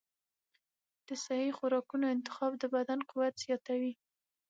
د صحي خوراکونو انتخاب د بدن قوت زیاتوي.